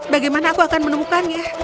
bagaimana aku akan menemukannya